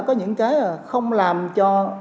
có những cái không làm cho